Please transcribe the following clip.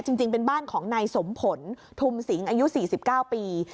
จริงจริงเป็นบ้านของนายสมผลทุ่มสิงอายุสี่สิบเก้าปี